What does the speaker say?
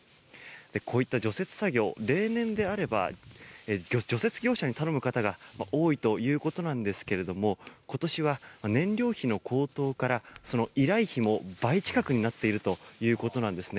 こういった除雪作業例年であれば除雪業者に頼む方が多いということですが今年は燃料費の高騰から依頼費も倍近くになっているということなんですね。